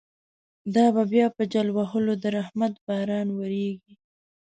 دابه بیا په جل وهلو، درحمت باران وریږی